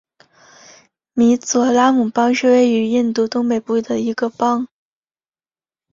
米佐拉姆邦是位于印度东北部的一个邦。